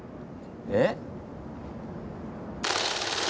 えっ？